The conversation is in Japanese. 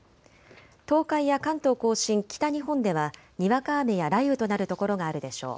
東海や関東甲信、北日本ではにわか雨や雷雨となる所があるでしょう。